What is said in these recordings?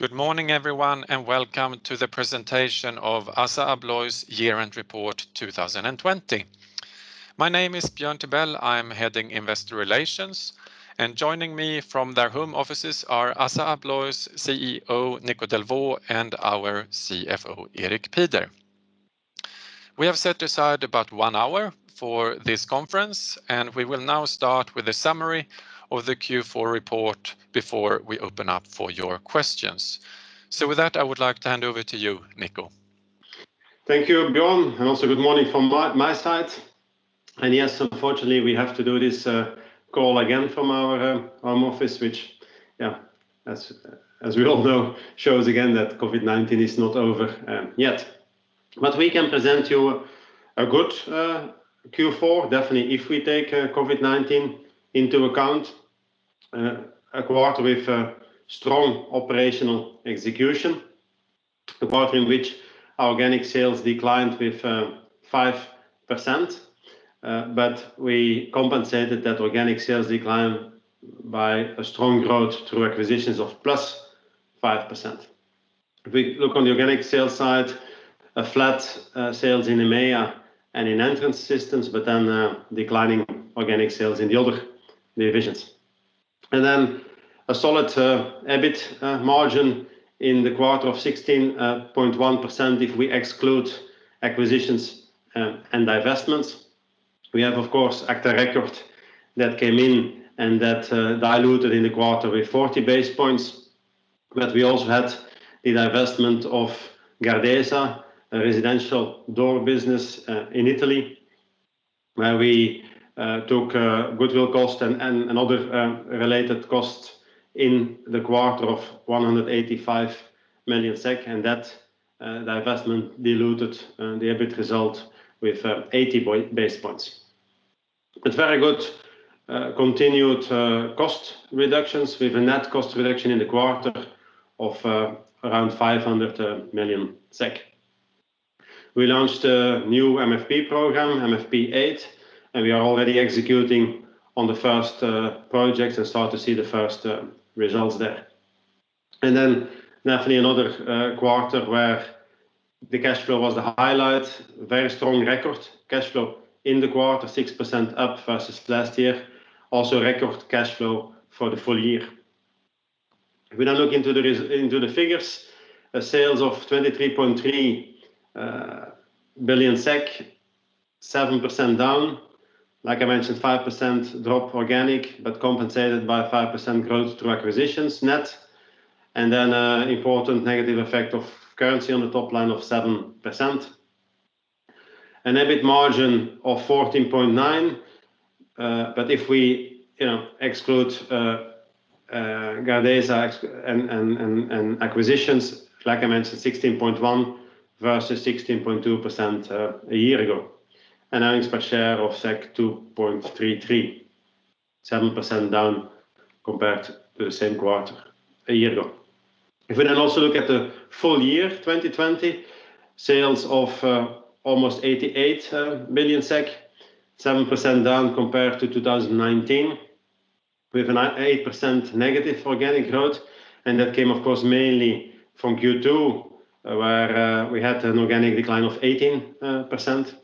Good morning, everyone. Welcome to the presentation of Assa Abloy's year-end report 2020. My name is Björn Tibell. I'm heading Investor Relations. Joining me from their home offices are Assa Abloy's CEO, Nico Delvaux, and our CFO, Erik Pieder. We have set aside about one hour for this conference. We will now start with a summary of the Q4 report before we open up for your questions. With that, I would like to hand over to you, Nico. Thank you, Björn. Also good morning from my side. Yes, unfortunately we have to do this call again from our home office, which, as we all know, shows again that COVID-19 is not over yet. We can present you a good Q4, definitely, if we take COVID-19 into account. A quarter with strong operational execution. A quarter in which our organic sales declined with 5%, but we compensated that organic sales decline by a strong growth through acquisitions of +5%. If we look on the organic sales side, flat sales in EMEA and in Entrance Systems, but then declining organic sales in the other divisions. A solid EBIT margin in the quarter of 16.1% if we exclude acquisitions and divestments. We have, of course, agta record that came in and that diluted in the quarter with 40 basis points, but we also had the divestment of Gardesa, a residential door business in Italy, where we took goodwill cost and other related costs in the quarter of 185 million SEK, and that divestment diluted the EBIT result with 80 basis points. With very good continued cost reductions, with a net cost reduction in the quarter of around 500 million SEK. We launched a new MFP program, MFP8, and we are already executing on the first projects and start to see the first results there. Then, definitely another quarter where the cash flow was the highlight. Very strong record cash flow in the quarter, 6% up versus last year. Also, record cash flow for the full year. If we now look into the figures, sales of 23.3 billion SEK, 7% down. Like I mentioned, 5% drop organic, but compensated by 5% growth through acquisitions net, and then important negative effect of currency on the top line of 7%. An EBIT margin of 14.9%. If we exclude Gardesa and acquisitions, like I mentioned, 16.1% versus 16.2% a year ago. Earnings per share of 2.33, 7% down compared to the same quarter a year ago. If we also look at the full year 2020, sales of almost 88 billion SEK, 7% down compared to 2019. We have an 8% negative organic growth, that came, of course, mainly from Q2, where we had an organic decline of 18%.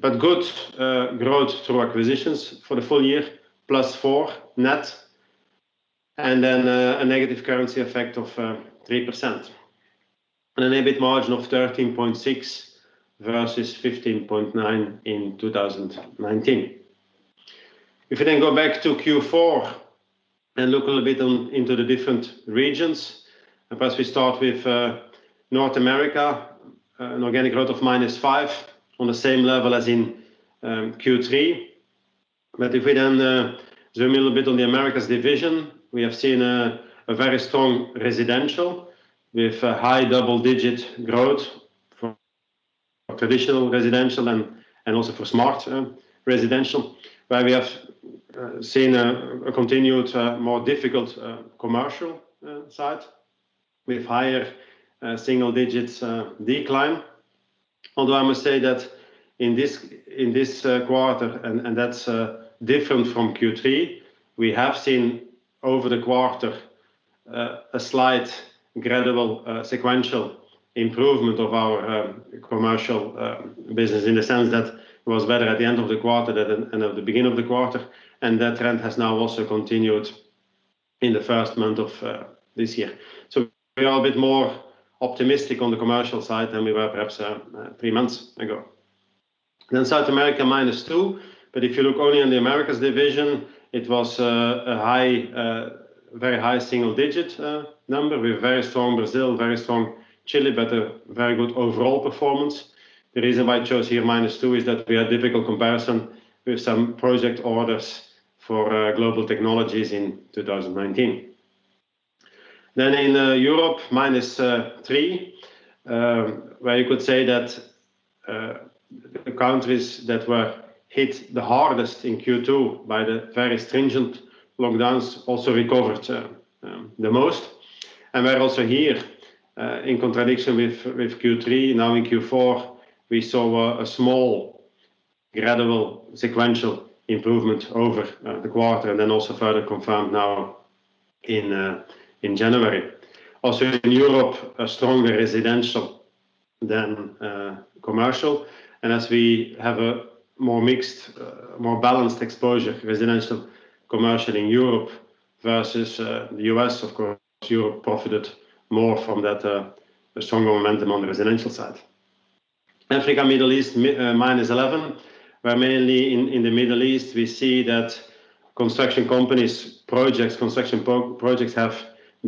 Good growth through acquisitions for the full year, plus 4% net, and a negative currency effect of 3%. An EBIT margin of 13.6% versus 15.9% in 2019. If we then go back to Q4 and look a little bit into the different regions, and first we start with North America, an organic growth of -5%, on the same level as in Q3. If we then zoom a little bit on the Americas division, we have seen a very strong residential, with high double-digit growth from traditional residential and also for smart residential, where we have seen a continued more difficult commercial side with higher single-digit decline. I must say that in this quarter, and that's different from Q3, we have seen over the quarter a slight gradual sequential improvement of our commercial business in the sense that it was better at the end of the quarter than at the beginning of the quarter, and that trend has now also continued in the first month of this year. We are a bit more optimistic on the commercial side than we were perhaps three months ago. South America, -2%. If you look only on the Americas division, it was a very high single-digit number with very strong Brazil, very strong Chile, but a very good overall performance. The reason why I chose here -2% is that we had difficult comparison with some project orders for Global Technologies in 2019. Then in Europe, -3%, where you could say that the countries that were hit the hardest in Q2 by the very stringent lockdowns also recovered the most. Where also here, in contradiction with Q3, now in Q4, we saw a small gradual sequential improvement over the quarter also further confirmed now in January. In Europe, stronger residential than commercial. As we have a more mixed, more balanced exposure, residential commercial in Europe versus the U.S., of course, Europe profited more from that stronger momentum on the residential side. Africa, Middle East, -11%, where mainly in the Middle East, we see that construction projects have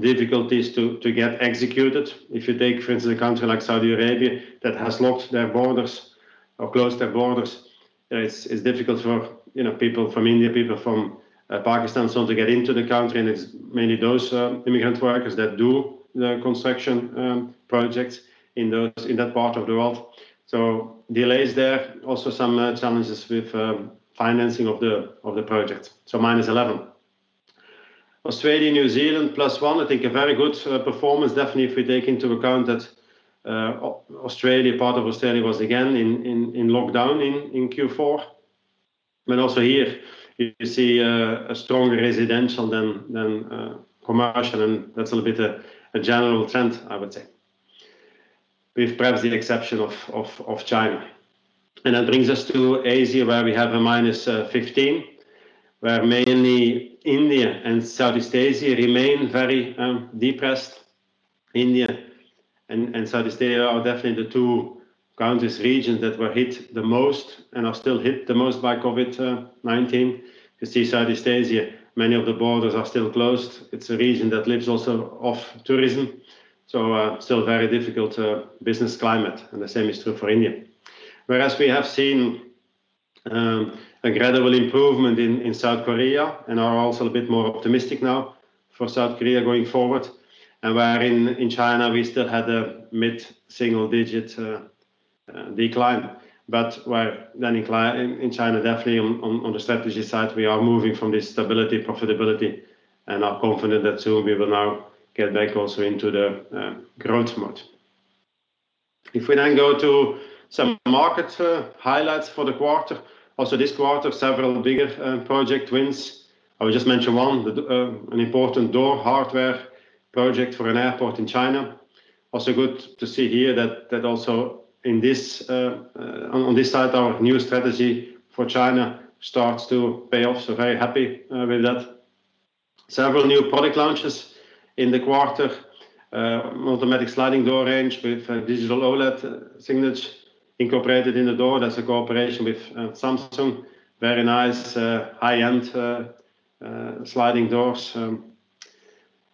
difficulties to get executed. If you take, for instance, a country like Saudi Arabia that has locked their borders or closed their borders, it's difficult for people from India, people from Pakistan, so on, to get into the country, and it's mainly those immigrant workers that do the construction projects in that part of the world. Delays there. Also some challenges with financing of the projects, so -11. Australia, New Zealand, plus one. I think a very good performance, definitely if we take into account that part of Australia was again in lockdown in Q4. Also here you see a stronger residential than commercial, and that's a little bit a general trend, I would say, with perhaps the exception of China. That brings us to Asia, where we have a -15, where mainly India and Southeast Asia remain very depressed. India and Southeast Asia are definitely the two countries, regions that were hit the most and are still hit the most by COVID-19. You see Southeast Asia, many of the borders are still closed. It's a region that lives also off tourism, so still very difficult business climate. The same is true for India. Whereas we have seen a gradual improvement in South Korea and are also a bit more optimistic now for South Korea going forward. Where in China, we still had a mid-single-digit decline. Where then in China, definitely on the strategy side, we are moving from this stability, profitability and are confident that soon we will now get back also into the growth mode. If we then go to some market highlights for the quarter. Also this quarter, several bigger project wins. I will just mention one, an important door hardware project for an airport in China. Good to see here that also on this side, our new strategy for China starts to pay off. Very happy with that. Several new product launches in the quarter. Automatic sliding door range with digital OLED signage incorporated in the door. That's a cooperation with Samsung. Very nice high-end sliding doors.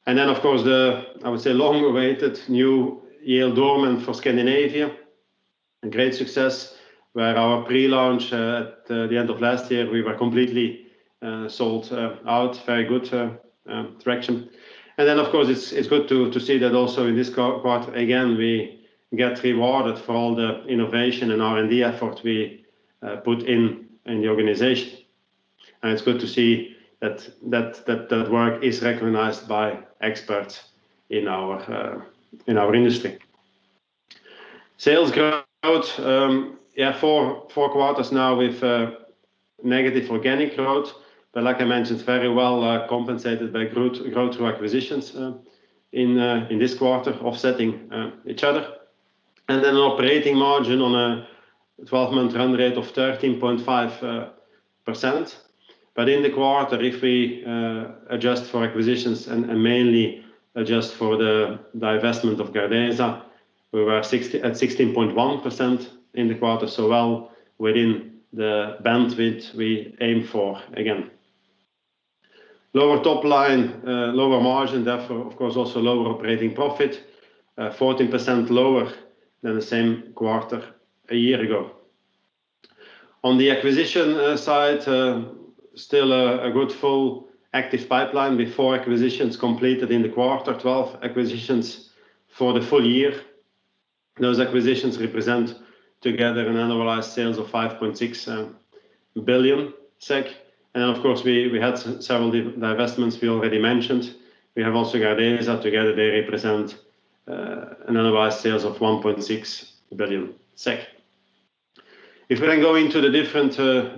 Of course the, I would say, long-awaited new Yale Doorman for Scandinavia. A great success where our pre-launch at the end of last year, we were completely sold out. Very good traction. Of course, it's good to see that also in this quarter, again, we get rewarded for all the innovation and R&D effort we put in in the organization. It's good to see that that work is recognized by experts in our industry. Sales growth. Yeah, four quarters now with negative organic growth, like I mentioned, very well compensated by growth through acquisitions in this quarter offsetting each other. Then, an operating margin on a 12-month run rate of 13.5%. In the quarter, if we adjust for acquisitions and mainly adjust for the divestment of Gardesa, we were at 16.1% in the quarter. Well within the bandwidth we aim for again. Lower top line, lower margin, therefore of course, also lower operating profit, 14% lower than the same quarter a year ago. On the acquisition side, still a good full active pipeline with four acquisitions completed in the quarter, 12 acquisitions for the full year. Those acquisitions represent together an annualized sales of 5.6 billion SEK. Then of course we had several divestments we already mentioned. We have also got Gardesa. Together they represent an annualized sales of 1.6 billion SEK. If we then go into the different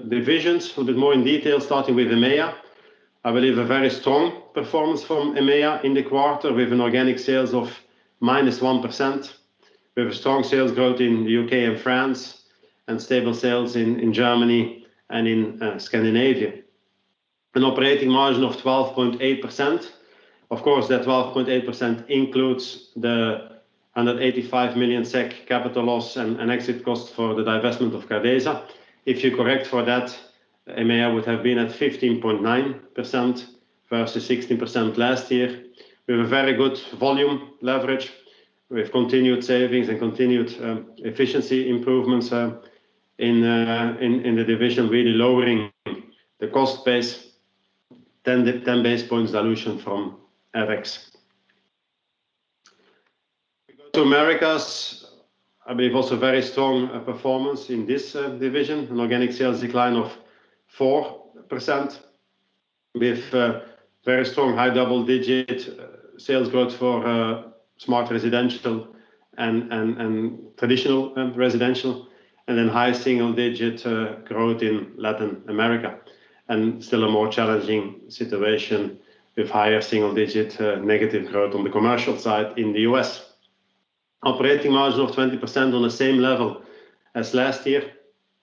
divisions a little bit more in detail, starting with EMEA. I believe a very strong performance from EMEA in the quarter with an organic sales of -1%. We have a strong sales growth in the U.K. and France and stable sales in Germany and in Scandinavia. An operating margin of 12.8%. Of course, that 12.8% includes the 185 million SEK capital loss and exit cost for the divestment of Gardesa. If you correct for that, EMEA would have been at 15.9% versus 16% last year. We have a very good volume leverage. We have continued savings and continued efficiency improvements in the division, really lowering the cost base 10 basis points dilution from FX. We go to Americas. I believe also very strong performance in this division. An organic sales decline of 4%. With very strong high double-digit sales growth for smart residential and traditional residential, and then high single-digit growth in Latin America, and still a more challenging situation with higher single-digit negative growth on the commercial side in the U.S. Operating margin of 20% on the same level as last year.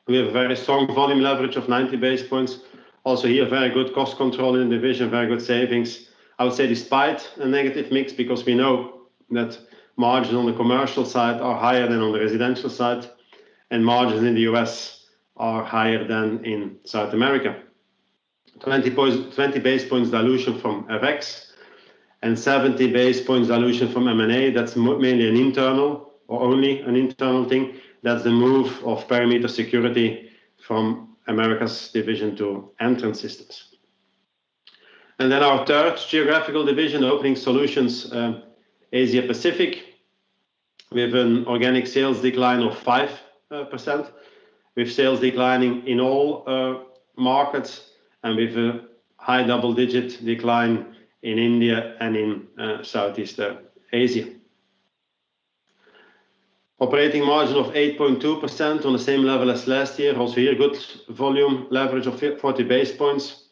We have very strong volume leverage of 90 basis points. Also here, very good cost control in division, very good savings, I would say, despite a negative mix, because we know that margins on the commercial side are higher than on the residential side, and margins in the U.S. are higher than in South America. Twenty basis points dilution from FX and 70 basis points dilution from M&A. That's mainly an internal or only an internal thing. That's the move of Perimeter Security from Americas division to Entrance Systems. Our third geographical division, Opening Solutions Asia Pacific. We have an organic sales decline of 5% with sales declining in all markets and with a high double-digit decline in India and in Southeast Asia. Operating margin of 8.2% on the same level as last year. Also here, good volume leverage of 40 basis points,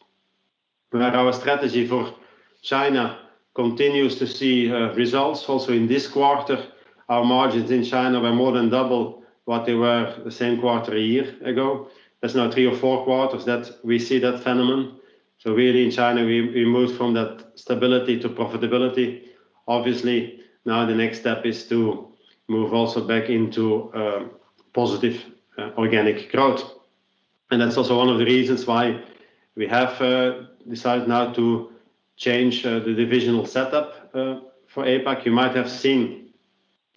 where our strategy for China continues to see results also in this quarter. Our margins in China were more than double what they were the same quarter a year ago. That's now three or four quarters that we see that phenomenon. Really, in China, we moved from that stability to profitability. Obviously, now the next step is to move also back into positive organic growth, and that's also one of the reasons why we have decided now to change the divisional setup for APAC. You might have seen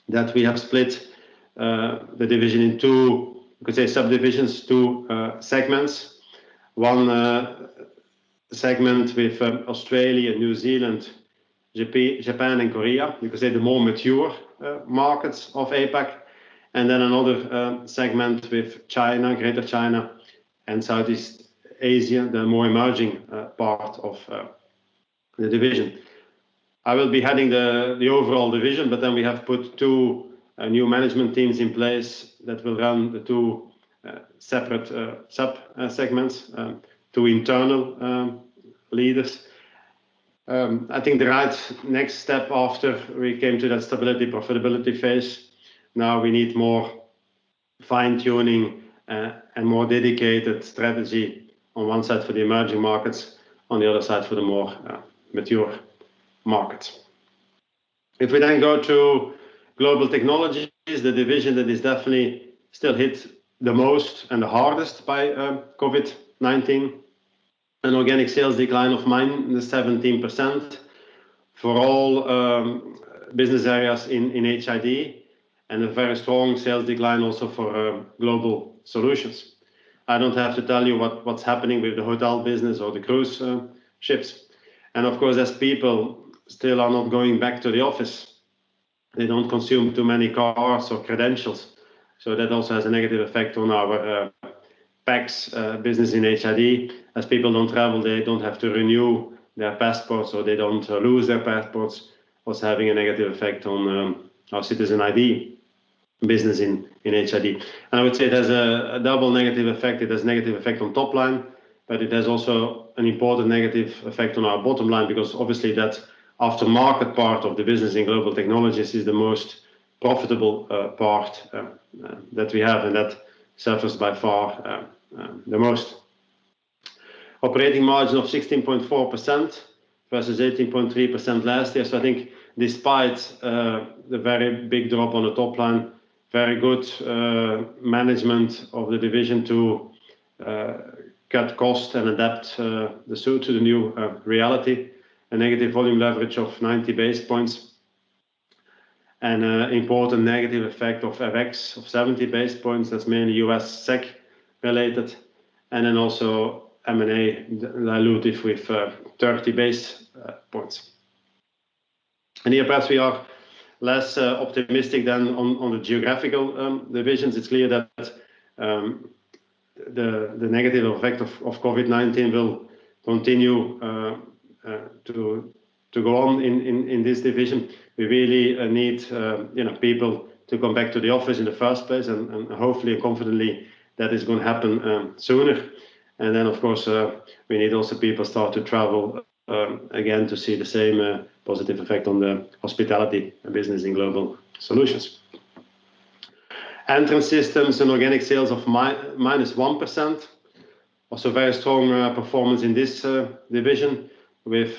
that we have split the division in two, you could say, subdivisions, two segments. One segment with Australia, New Zealand, Japan, and Korea. You could say, the more mature markets of APAC. Another segment with China, Greater China, and Southeast Asia, the more emerging part of the division. I will be heading the overall division, but then we have put two new management teams in place that will run the two separate sub-segments, two internal leaders. I think the right next step after we came to that stability profitability phase, now we need more fine-tuning and more dedicated strategy, on one side for the emerging markets, on the other side for the more mature markets. If we then go to Global Technologies, the division that is definitely still hit the most and the hardest by COVID-19. An organic sales decline of -17% for all business areas in HID and a very strong sales decline also for Global Solutions. I don't have to tell you what's happening with the hotel business or the cruise ships. Of course, as people still are not going back to the office, they don't consume too many cards or credentials. That also has a negative effect on our PACS business in HID. As people don't travel, they don't have to renew their passports, or they don't lose their passports. Also having a negative effect on our Citizen ID business in HID. I would say it has a double negative effect. It has negative effect on top line, but it has also an important negative effect on our bottom line because obviously that aftermarket part of the business in Global Technologies is the most profitable part that we have, and that suffers by far the most. Operating margin of 16.4% versus 18.3% last year. I think despite the very big drop on the top line, very good management of the division to cut cost and adapt the suite to the new reality. A negative volume leverage of 90 basis points and important negative effect of FX of 70 basis points. That's mainly USD-SEK related, and then also M&A dilutive with 30 basis points. Here, perhaps, we are less optimistic than on the geographical divisions. It's clear that the negative effect of COVID-19 will continue to go on in this division. We really need people to come back to the office in the first place, hopefully and confidently that is going to happen sooner. Then, of course, we need also people start to travel again to see the same positive effect on the hospitality business in Global Solutions. Entrance Systems and organic sales of -1%, also very strong performance in this division with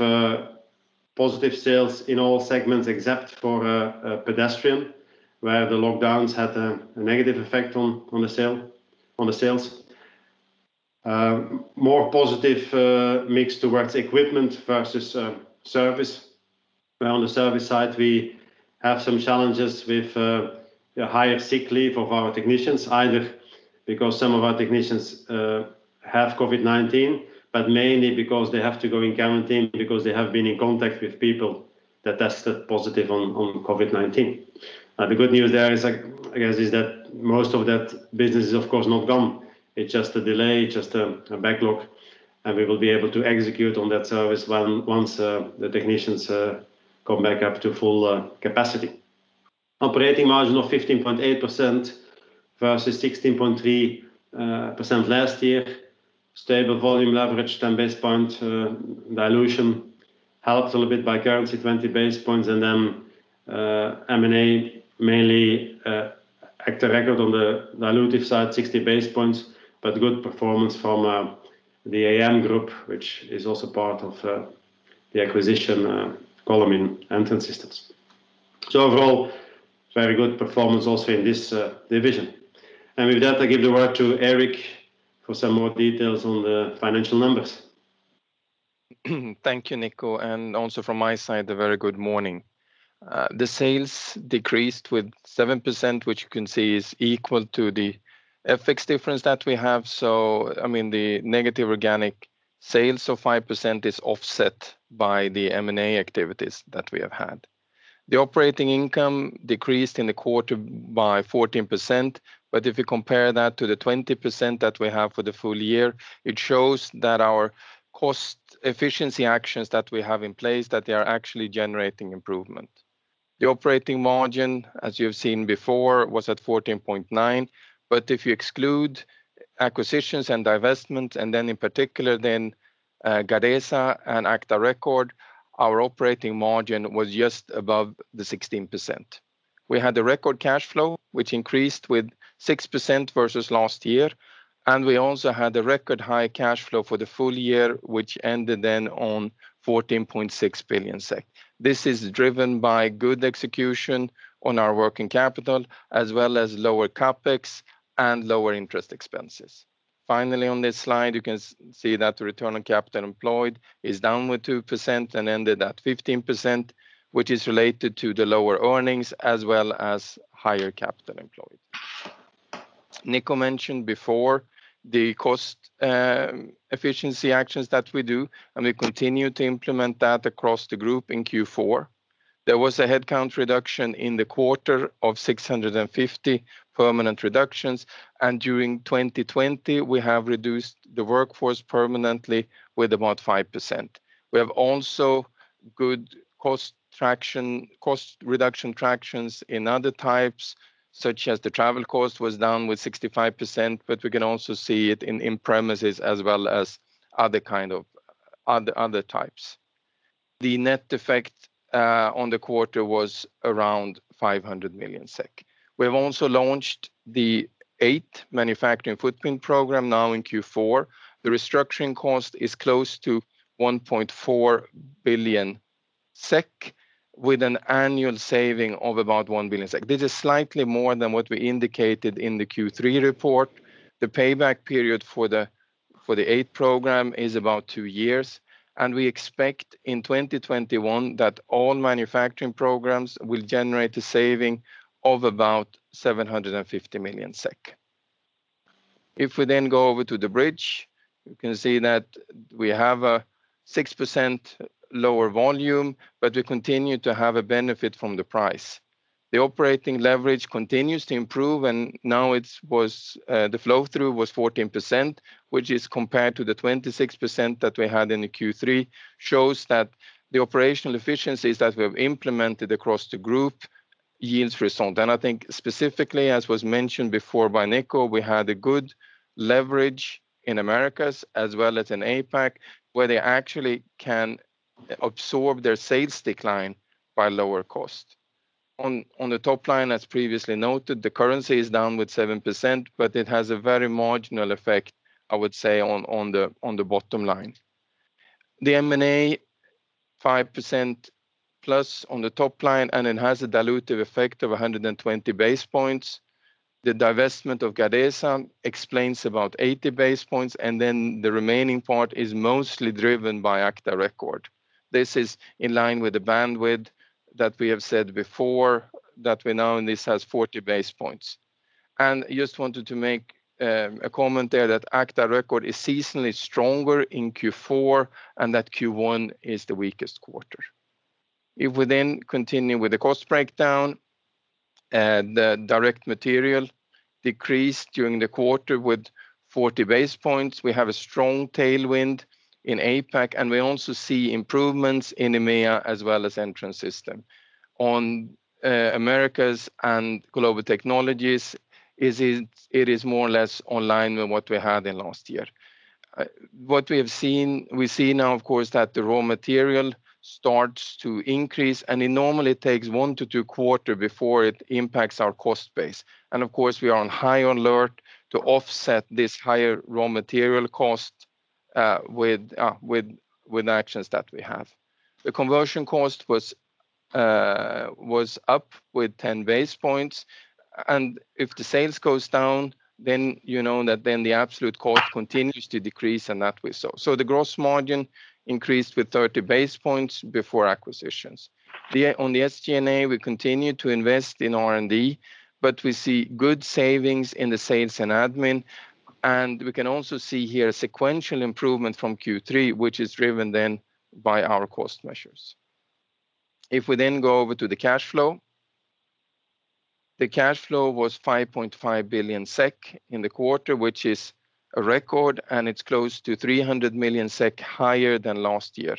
positive sales in all segments except for Pedestrian, where the lockdowns had a negative effect on the sales. More positive mix towards equipment versus service. On the service side, we have some challenges with higher sick leave of our technicians, either because some of our technicians have COVID-19, but mainly because they have to go in quarantine because they have been in contact with people that tested positive on COVID-19. The good news there is that most of that business is, of course, not gone. It's just a delay, just a backlog, and we will be able to execute on that service once the technicians come back up to full capacity. Operating margin of 15.8% versus 16.3% last year. Stable volume leverage, 10 basis point dilution. Helped a little bit by currency, 20 basis points, and then M&A, mainly agta record on the dilutive side, 60 basis points, but good performance from the AM Group, which is also part of the acquisition column in Entrance Systems. Overall, very good performance also in this division. With that, I give the word to Erik for some more details on the financial numbers. Thank you, Nico, and also from my side, a very good morning. The sales decreased with 7%, which you can see is equal to the FX difference that we have. The negative organic sales of 5% is offset by the M&A activities that we have had. The operating income decreased in the quarter by 14%, but if we compare that to the 20% that we have for the full year, it shows that our cost efficiency actions that we have in place, that they are actually generating improvement. The operating margin, as you have seen before, was at 14.9%, but if you exclude acquisitions and divestment, and then in particular Gardesa and agta record, our operating margin was just above the 16%. We had a record cash flow, which increased with 6% versus last year. We also had a record high cash flow for the full year, which ended then on 14.6 billion SEK. This is driven by good execution on our working capital, as well as lower CapEx and lower interest expenses. Finally, on this slide, you can see that the return on capital employed is down with 2% and ended at 15%, which is related to the lower earnings as well as higher capital employed. Nico mentioned before the cost efficiency actions that we do and we continue to implement that across the group in Q4. There was a headcount reduction in the quarter of 650 permanent reductions. During 2020, we have reduced the workforce permanently with about 5%. We have also good cost reduction tractions in other types, such as the travel cost was down with 65%. We can also see it in premises as well as other types. The net effect on the quarter was around 500 million SEK. We have also launched the eighth Manufacturing Footprint Program now in Q4. The restructuring cost is close to 1.4 billion SEK with an annual saving of about 1 billion SEK. This is slightly more than what we indicated in the Q3 report. The payback period for the eighth program is about two years. We expect in 2021 that all manufacturing programs will generate a saving of about 750 million SEK. If we then go over to the bridge, you can see that we have a 6% lower volume, but we continue to have a benefit from the price. The operating leverage continues to improve, and now the flow-through was 14%, which is compared to the 26% that we had in the Q3, shows that the operational efficiencies that we have implemented across the group yields result. I think specifically, as was mentioned before by Nico, we had a good leverage in Americas as well as in APAC, where they actually can absorb their sales decline by lower cost. On the top line, as previously noted, the currency is down with 7%, but it has a very marginal effect, I would say, on the bottom line. The M&A, 5% plus on the top line, and it has a dilutive effect of 120 base points. The divestment of Gardesa explains about 80 base points, and then the remaining part is mostly driven by agta record. This is in line with the bandwidth that we have said before, that we're now and this has 40 basis points. Just wanted to make a comment there that agta record is seasonally stronger in Q4, and that Q1 is the weakest quarter. We then continue with the cost breakdown, the direct material decreased during the quarter with 40 basis points. We have a strong tailwind in APAC, and we also see improvements in EMEA as well as Entrance Systems. On Americas and Global Technologies, it is more or less online than what we had in last year. What we have seen, we see now, of course, that the raw material starts to increase, and it normally takes one to two quarter before it impacts our cost base. Of course, we are on high alert to offset this higher raw material cost with actions that we have. The conversion cost was up with 10 basis points, and if the sales goes down, then you know that then the absolute cost continues to decrease, and that we saw. The gross margin increased with 30 basis points before acquisitions. On the SG&A, we continue to invest in R&D, but we see good savings in the sales and administration. We can also see here sequential improvement from Q3, which is driven then by our cost measures. If we then go over to the cash flow. The cash flow was 5.5 billion SEK in the quarter, which is a record, and it's close to 300 million SEK higher than last year.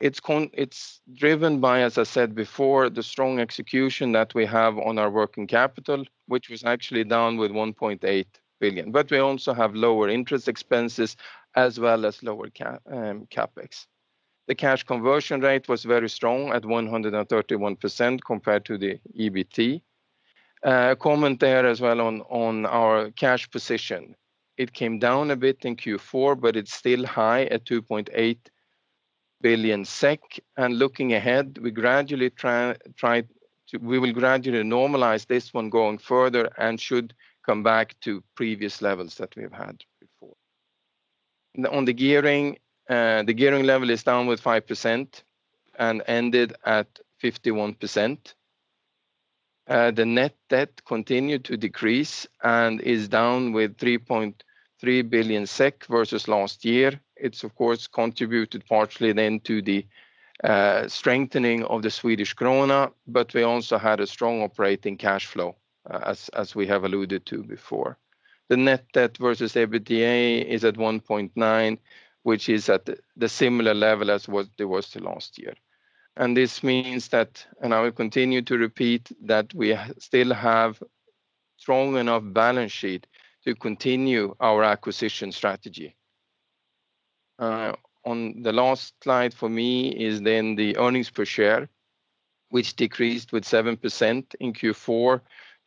It's driven by, as I said before, the strong execution that we have on our working capital, which was actually down with 1.8 billion, but we also have lower interest expenses as well as lower CapEx. The cash conversion rate was very strong at 131% compared to the EBT. A comment there as well on our cash position. It came down a bit in Q4, but it's still high at 2.8 billion SEK, and looking ahead, we will gradually normalize this one going further and should come back to previous levels that we have had before. On the gearing, the gearing level is down with 5% and ended at 51%. The net debt continued to decrease and is down with 3.3 billion SEK versus last year. It's, of course, contributed partially then to the strengthening of the Swedish krona, but we also had a strong operating cash flow, as we have alluded to before. The net debt versus EBITDA is at 1.9, which is at the similar level as there was to last year. This means that, and I will continue to repeat, that we still have strong enough balance sheet to continue our acquisition strategy. On the last slide for me is then the earnings per share, which decreased with 7% in Q4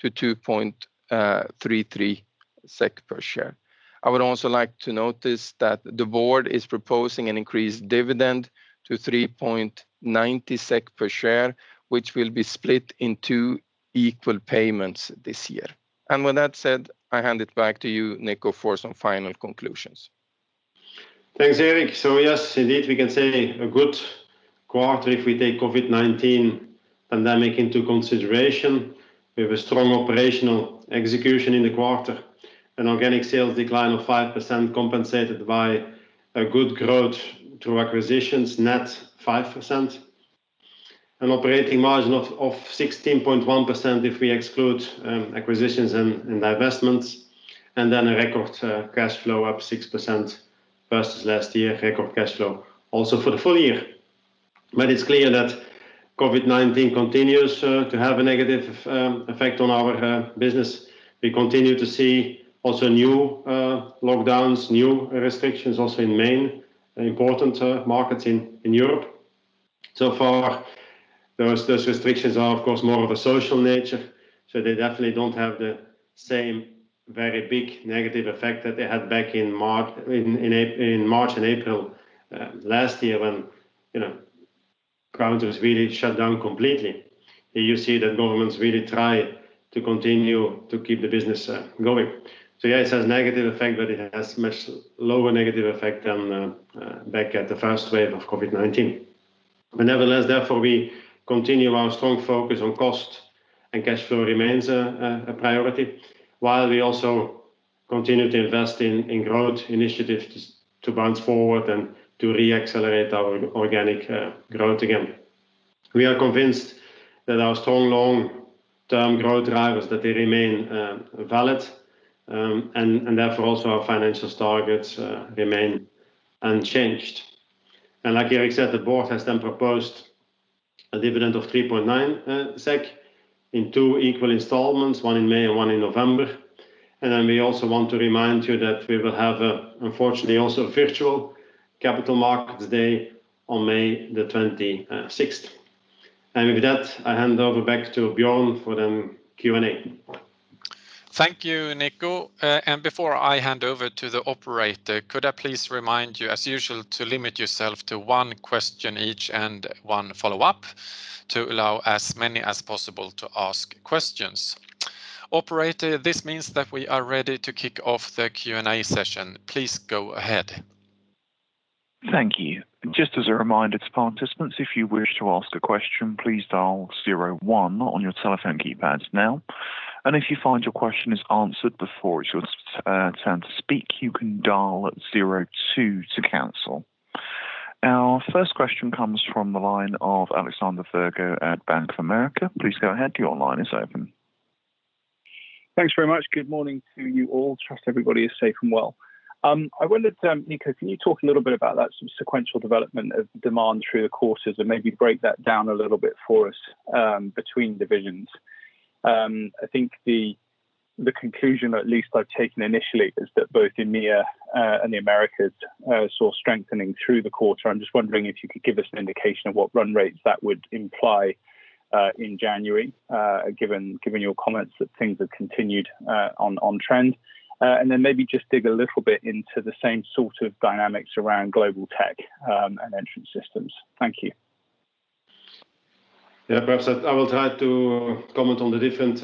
to 2.33 SEK per share. I would also like to notice that the board is proposing an increased dividend to 3.90 SEK per share, which will be split in two equal payments this year. With that said, I hand it back to you, Nico, for some final conclusions. Thanks, Erik. Yes, indeed, we can say a good quarter if we take COVID-19 pandemic into consideration. We have a strong operational execution in the quarter, an organic sales decline of 5% compensated by a good growth through acquisitions net 5%. An operating margin of 16.1% if we exclude acquisitions and divestments, and then a record cash flow up 6% versus last year, record cash flow also for the full year. It's clear that COVID-19 continues to have a negative effect on our business. We continue to see also new lockdowns, new restrictions also in main important markets in Europe. Far, those restrictions are, of course, more of a social nature, so they definitely don't have the same very big negative effect that they had back in March and April last year when countries really shut down completely. You see that governments really try to continue to keep the business going. Yes, it has negative effect, but it has much lower negative effect than back at the first wave of COVID-19. Nevertheless, therefore, we continue our strong focus on cost and cash flow remains a priority, while we also continue to invest in growth initiatives to bounce forward and to re-accelerate our organic growth again. We are convinced that our strong long-term growth drivers, that they remain valid, and therefore also our financial targets remain unchanged. Like Erik said, the board has then proposed a dividend of 3.9 SEK in two equal installments, one in May and one in November. Then, we also want to remind you that we will have, unfortunately, also a virtual capital markets day on May the 26th. With that, I hand over back to Björn for then Q&A. Thank you, Nico. Before I hand over to the operator, could I please remind you, as usual, to limit yourself to one question each and one follow-up to allow as many as possible to ask questions. Operator, this means that we are ready to kick off the Q&A session. Please go ahead. Thank you. Just as a reminder to all participants, if you wish to ask a question, please dial zero one on your telephone keypad now, and if you found your question is answered before its your time to speak, you can dial zero two to cancel. Our first question comes from the line of Alexander Virgo at Bank of America. Please go ahead. Your line is open. Thanks very much. Good morning to you all. Trust everybody is safe and well. I wondered, Nico, can you talk a little bit about that sequential development of demand through the quarters and maybe break that down a little bit for us between divisions? I think the conclusion, at least I've taken initially, is that both EMEA and the Americas saw strengthening through the quarter. I'm just wondering if you could give us an indication of what run rates that would imply in January, given your comments that things have continued on trend. Then, maybe just dig a little bit into the same sort of dynamics around Global Tech and Entrance Systems. Thank you. Yeah, perhaps I will try to comment on the different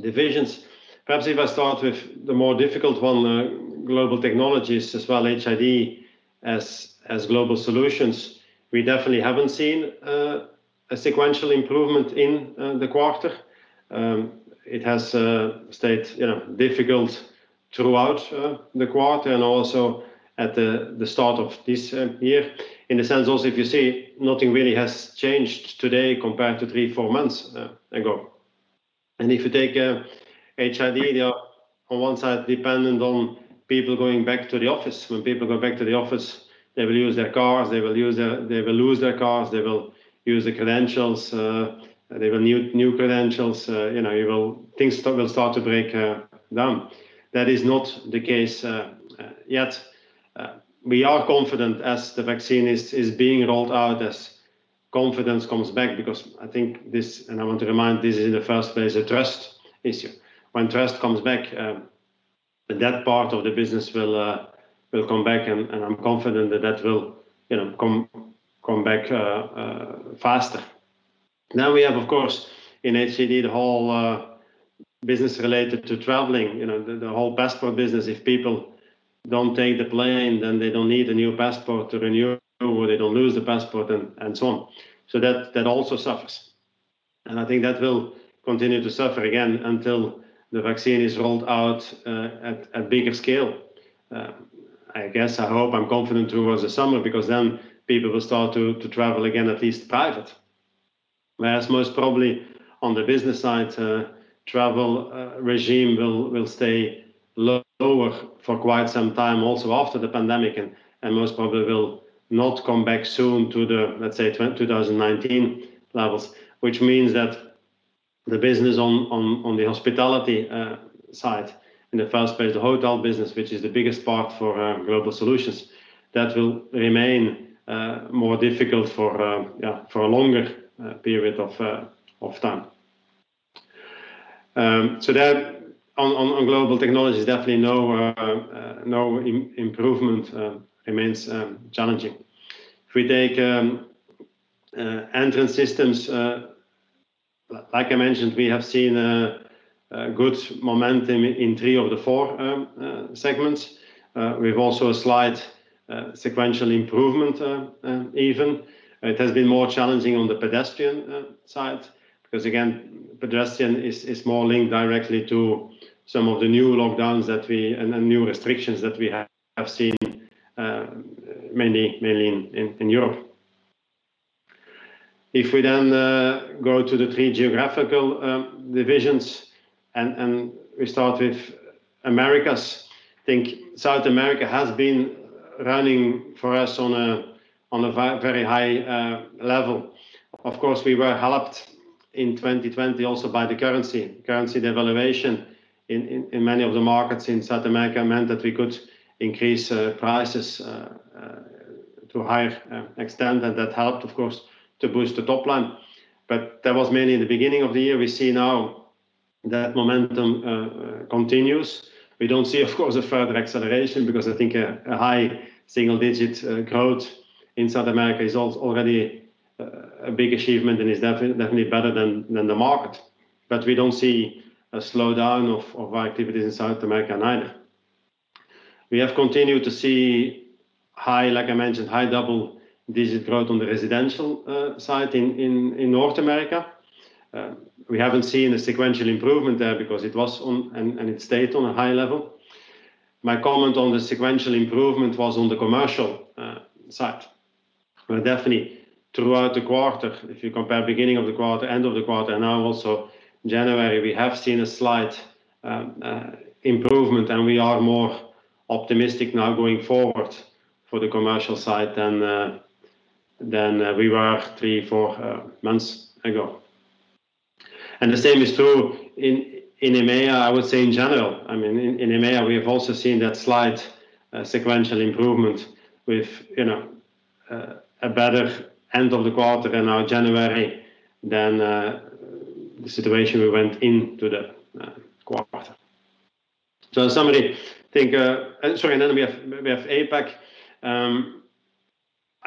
divisions. Perhaps if I start with the more difficult one, Global Technologies as well as HID and Global Solutions, we definitely haven't seen a sequential improvement in the quarter. It has stayed difficult throughout the quarter and also at the start of this year, in the sense also, if you see, nothing really has changed today compared to three, four months ago. If you take HID, they are, on one side, dependent on people going back to the office. When people go back to the office, they will use their cards, they will lose their cards, they will use the credentials, they will need new credentials, you know, things will start to break down. That is not the case yet. We are confident as the vaccine is being rolled out, as confidence comes back, because I think this, and I want to remind, this is in the first place, a trust issue. When trust comes back, that part of the business will come back, and I'm confident that that will come back faster. Now we have, of course, in HID, the whole business related to traveling, the whole passport business. If people don't take the plane, then they don't need a new passport to renew, or they don't lose the passport, and so on. That also suffers. I think that will continue to suffer again until the vaccine is rolled out at bigger scale. I guess, I hope, I'm confident towards the summer, because then people will start to travel again, at least private. Most probably on the business side, travel regime will stay lower for quite some time also after the pandemic, and most probably will not come back soon to the, let's say, 2019 levels, which means that the business on the hospitality side, in the first place, the hotel business, which is the biggest part for Global Solutions, that will remain more difficult for a longer period of time. That, on Global Technologies, definitely no improvement, remains challenging. If we take Entrance Systems, like I mentioned, we have seen good momentum in three of the four segments. We've also a slight sequential improvement, even. It has been more challenging on the Pedestrian side, because again, Pedestrian is more linked directly to some of the new lockdowns and new restrictions that we have seen, mainly in Europe. If we then go to the three geographical divisions, and we start with Americas, I think South America has been running for us on a very high level. Of course, we were helped in 2020 also by the currency devaluation in many of the markets in South America meant that we could increase prices to higher extent, and that helped, of course, to boost the top line. That was mainly in the beginning of the year. We see now that momentum continues. We don't see, of course, a further acceleration, because I think a high single-digit growth in South America is already a big achievement and is definitely better than the market. We don't see a slowdown of our activities in South America either. We have continued to see, like I mentioned, high double-digit growth on the residential side in North America. We haven't seen a sequential improvement there because it was on and it stayed on a high level. My comment on the sequential improvement was on the commercial side, where definitely throughout the quarter, if you compare beginning of the quarter, end of the quarter, and now also January, we have seen a slight improvement, and we are more optimistic now going forward for the commercial side than we were three, four months ago. The same is true in EMEA, I would say in general. In EMEA, we have also seen that slight sequential improvement with a better end of the quarter and now January than the situation we went into the quarter. Sorry. We have APAC.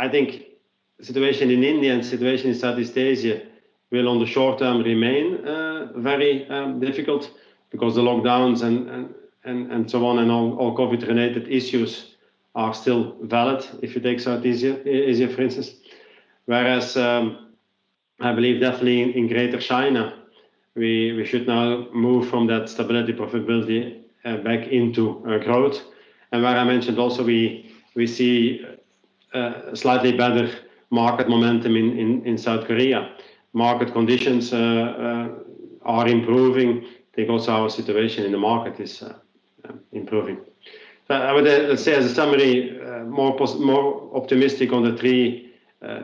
I think the situation in India and situation in Southeast Asia will, on the short term, remain very difficult because the lockdowns and so on, and all COVID-related issues are still valid, if you take Southeast Asia, for instance. Whereas, I believe definitely in Greater China, we should now move from that stability profitability back into growth. Where I mentioned also we see slightly better market momentum in South Korea. Market conditions are improving. I think also our situation in the market is improving. I would say as a summary, more optimistic on the three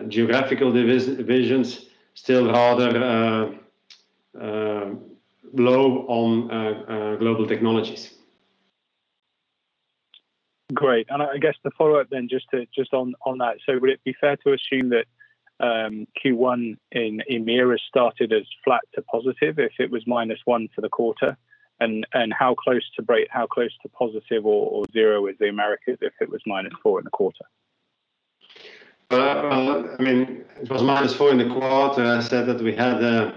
geographical divisions, still rather low on Global Technologies. Great. I guess the follow-up then, just on that, so would it be fair to assume that Q1 in EMEA restarted as flat to positive if it was -1 for the quarter? How close to positive or zero is the Americas if it was -4 in the quarter? Well, it was -4 in the quarter. I said that we had a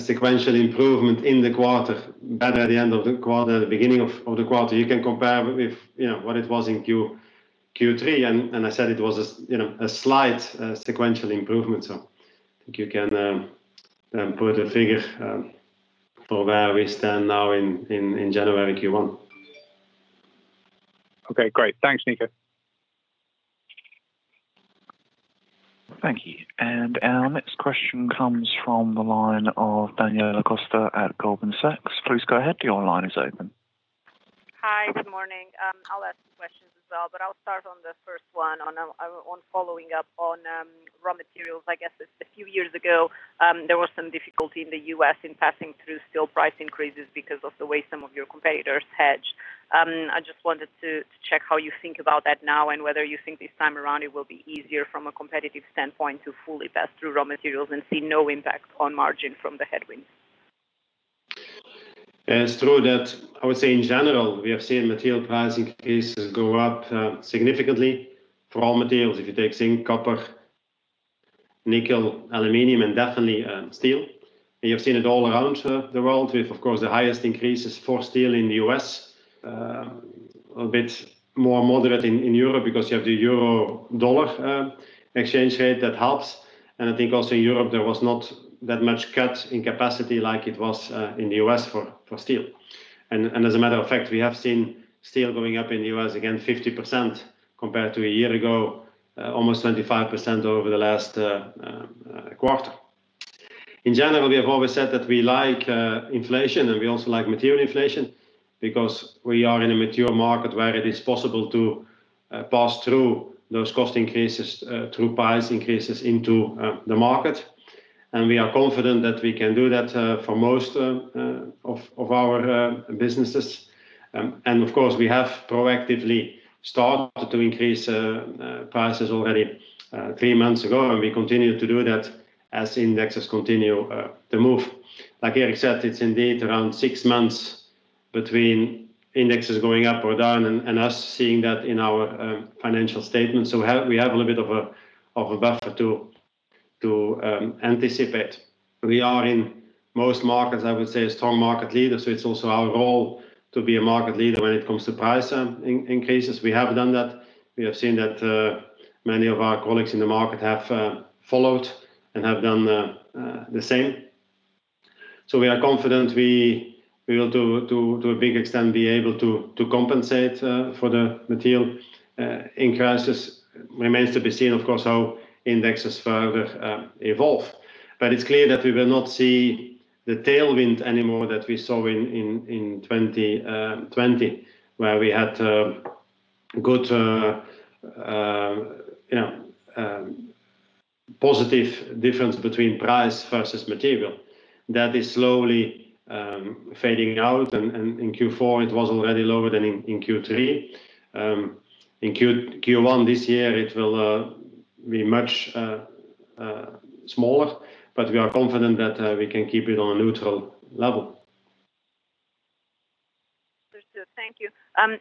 sequential improvement in the quarter, better at the end of the quarter, the beginning of the quarter. You can compare with what it was in Q3. I said it was a slight sequential improvement. I think you can put a figure for where we stand now in January Q1. Okay, great. Thanks, Nico. Thank you. Our next question comes from the line of Daniela Costa at Goldman Sachs. Please go ahead. Your line is open. Hi. Good morning. I'll ask questions as well, but I'll start on the first one on following up on raw materials. I guess a few years ago, there was some difficulty in the U.S. in passing through steel price increases because of the way some of your competitors hedged. I just wanted to check how you think about that now and whether you think this time around it will be easier from a competitive standpoint to fully pass through raw materials and see no impact on margin from the headwinds. It's true that I would say in general, we have seen material price increases go up significantly for raw materials. If you take zinc, copper, nickel, aluminum, and definitely steel, and you have seen it all around the world with, of course, the highest increases for steel in the U.S. A bit more moderate in Europe because you have the euro-dollar exchange rate that helps. I think also in Europe, there was not that much cut in capacity like it was in the U.S. for steel. As a matter of fact, we have seen steel going up in the U.S. again 50% compared to a year ago, almost 25% over the last quarter. In general, we have always said that we like inflation, and we also like material inflation because we are in a mature market where it is possible to pass through those cost increases, through price increases into the market. We are confident that we can do that for most of our businesses. Of course, we have proactively started to increase prices already three months ago, and we continue to do that as indexes continue to move. Like Erik said, it's indeed around six months between indexes going up or down and us seeing that in our financial statements. We have a little bit of a buffer to anticipate. We are in most markets, I would say, a strong market leader. It's also our role to be a market leader when it comes to price increases. We have done that. We have seen that many of our colleagues in the market have followed and have done the same. We are confident we will, to a big extent, be able to compensate for the material increases. Remains to be seen, of course, how indexes further evolve. It's clear that we will not see the tailwind anymore that we saw in 2020, where we had good positive difference between price versus material. That is slowly fading out, and in Q4 it was already lower than in Q3. In Q1 this year, it will be much smaller, but we are confident that we can keep it on a neutral level. Understood. Thank you.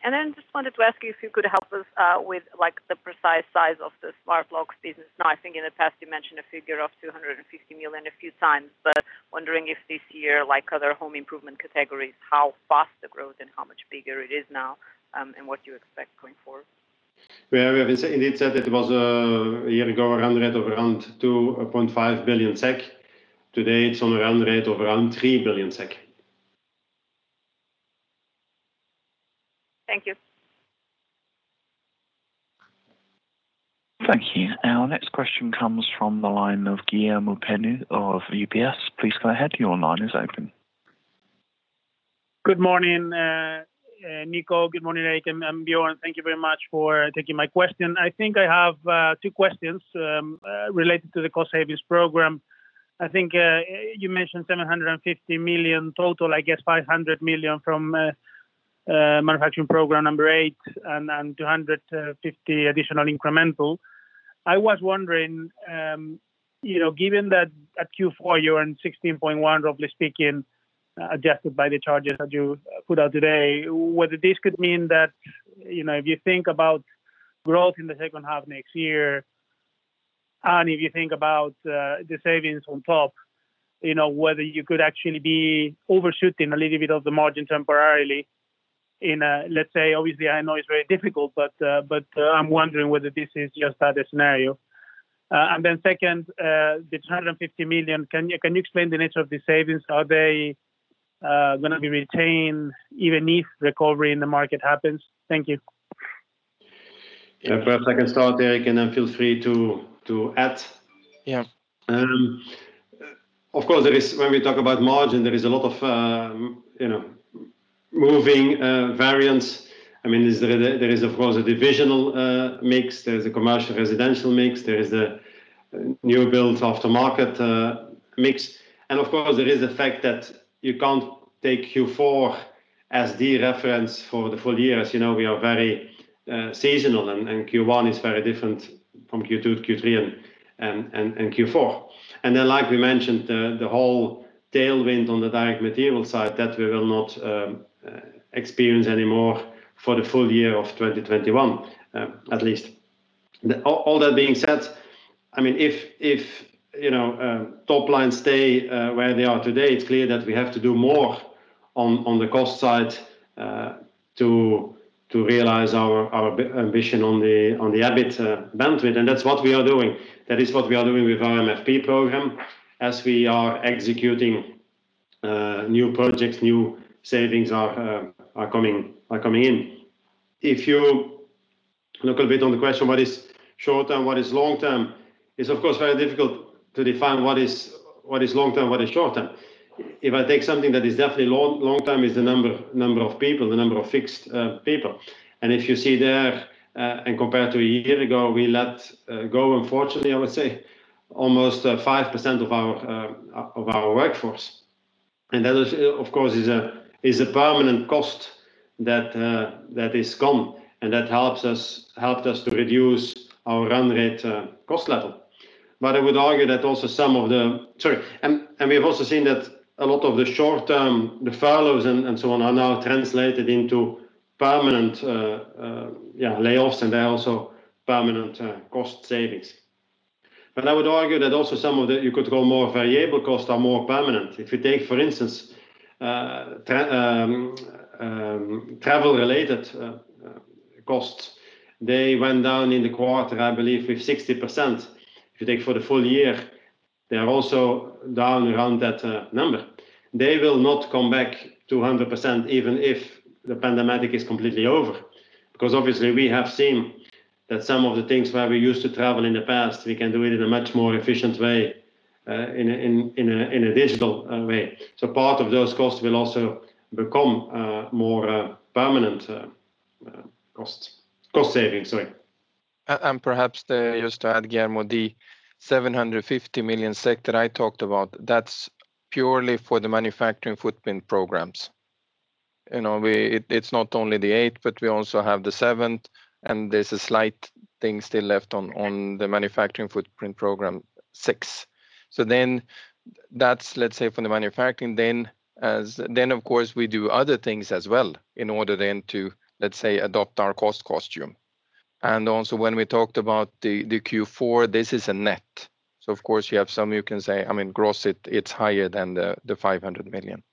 Then just wanted to ask you if you could help us with the precise size of the Smart Locks business now. I think in the past you mentioned a figure of 2.5 billion a few times, but wondering if this year, like other home improvement categories, how fast the growth and how much bigger it is now, and what you expect going forward? Well, we have indeed said it was, a year ago, a run rate of around 2.5 billion SEK. Today, it's on a run rate of around 3 billion SEK. Thank you. Thank you. Our next question comes from the line of Guillermo Peigneux-Lojo of UBS. Please go ahead. Your line is open. Good morning, Nico. Good morning, Erik and Björn. Thank you very much for taking my question. I think I have two questions related to the cost savings program. I think you mentioned 750 million total, I guess 500 million from MFP8 and 250 million additional incremental. I was wondering, given that at Q4 you earned 16.1%, roughly speaking, adjusted by the charges that you put out today, whether this could mean that if you think about growth in the second half next year, and if you think about the savings on top, whether you could actually be overshooting a little bit of the margin temporarily in, let's say, obviously, I know it's very difficult, but I'm wondering whether this is just a scenario. Then second, the [250] million, can you explain the nature of the savings? Are they going to be retained even if recovery in the market happens? Thank you. Perhaps I can start, Erik, and then feel free to add. Yeah. Of course, when we talk about margin, there is a lot of moving variants. There is, of course, a divisional mix. There's a commercial residential mix. There is a new build aftermarket mix. Of course, there is the fact that you can't take Q4 as the reference for the full year. As you know, we are very seasonal, and Q1 is very different from Q2 to Q3 and Q4. Like we mentioned, the whole tailwind on the direct material side that we will not experience anymore for the full year of 2021, at least. All that being said, if top line stay where they are today, it's clear that we have to do more on the cost side to realize our ambition on the EBIT bandwidth, and that's what we are doing. That is what we are doing with our MFP program as we are executing new projects, new savings are coming in. If you look a bit on the question, what is short term, what is long term? It's of course very difficult to define what is long term, what is short term. If I take something that is definitely long term is the number of people, the number of fixed people. If you see there, and compared to a year ago, we let go, unfortunately, I would say, almost 5% of our workforce. That, of course, is a permanent cost that is gone, and that helped us to reduce our run rate cost level. We have also seen that a lot of the short term, the furloughs and so on are now translated into permanent layoffs, and they are also permanent cost savings. I would argue that also some of the, you could call more variable costs are more permanent. If you take, for instance, travel-related costs, they went down in the quarter, I believe, with 60%. If you take for the full year, they are also down around that number. They will not come back to 100% even if the pandemic is completely over, because obviously we have seen that some of the things where we used to travel in the past, we can do it in a much more efficient way, in a digital way. Part of those costs will also become more permanent cost savings. Sorry. Perhaps just to add, Guillermo, the 750 million that I talked about, that's purely for the Manufacturing Footprint Programs. It's not only the 8, but we also have the 7, and there's a slight thing still left on the Manufacturing Footprint Program 6. That's for the manufacturing then. Of course, we do other things as well in order then to, let's say, adopt our cost structure. When we talked about the Q4, this is a net. Of course, you have some, you can say, I mean gross, it's higher than the 500 million.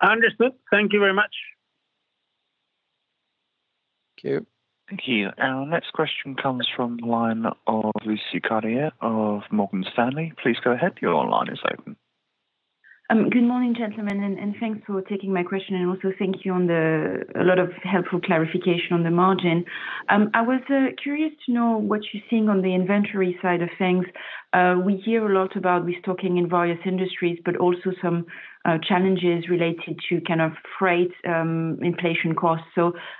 Understood. Thank you very much. Thank you. Thank you. Our next question comes from the line of Lucie Carrier of Morgan Stanley. Please go ahead. Your line is open. Good morning, gentlemen, and thanks for taking my question, and also thank you on the a lot of helpful clarification on the margin. I was curious to know what you're seeing on the inventory side of things. We hear a lot about restocking in various industries, but also some challenges related to kind of freight inflation costs.